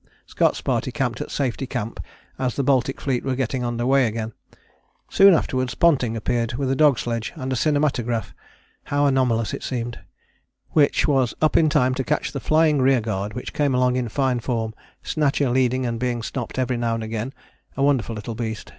Scott's party camped at Safety Camp as the Baltic fleet were getting under weigh again. Soon afterwards Ponting appeared with a dog sledge and a cinematograph, how anomalous it seemed which "was up in time to catch the flying rearguard which came along in fine form, Snatcher leading and being stopped every now and again a wonderful little beast.